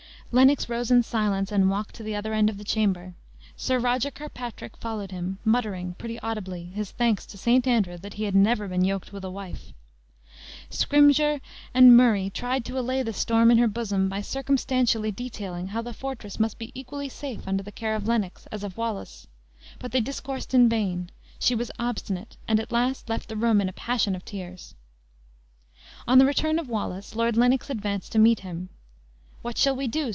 Lennox rose in silence, and walked to the other end of the chamber. Sir Roger Kirkpatrick followed him, muttering, pretty audibly, his thanks to St. Andrew that he had never been yoked with a wife. Scrymgeour and Murray tried to allay the storm in her bosom by circumstantially detailing how the fortress must be equally safe under the care of Lennox as of Wallace. But they discoursed in vain; she was obstinate, and at last left the room in a passion of tears. On the return of Wallace, Lord Lennox advanced to meet him. "What shall we do?"